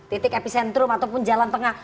titik epicentrum ataupun jalan tengah